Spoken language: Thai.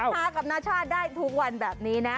ทากับนาชาติได้ทุกวันแบบนี้นะ